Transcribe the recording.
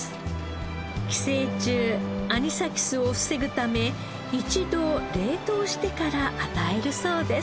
寄生虫アニサキスを防ぐため一度冷凍してから与えるそうです。